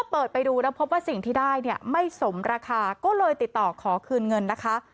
เปิดไปดูแล้วพบว่าสิ่งที่ได้เนี่ยไม่สมราคาก็เลยติดต่อขอคืนเงินนะคะ